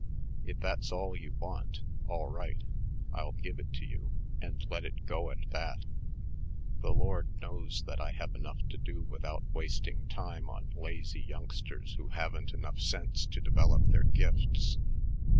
If that's all you want, all right, I'll give it to you and let it go at that. The Lord knows that I have enough to do without wasting time on lazy youngsters who haven't sense enough to develop their gifts.